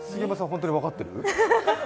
本当に分かってる？